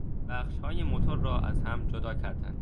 بخشهای موتور را از هم جدا کردن